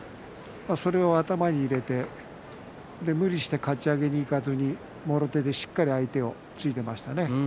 それを頭に入れて無理してかち上げにいかずにもろ手でしっかり相手を突いていましたね。